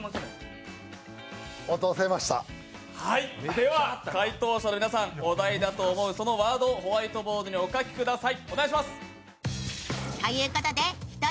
では解答者の皆さんお題だと思うそのワードをホワイトボードにお書きください。